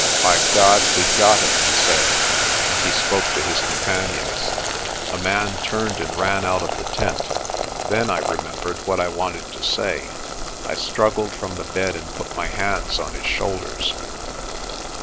"By God, we've got him!" he said, and he spoke to his companions. A man turned and ran out of the tent. Then I remembered what I wanted to say. I struggled from the bed and put my hands on his shoulders.